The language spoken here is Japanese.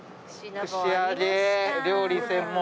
「串揚げ料理専門」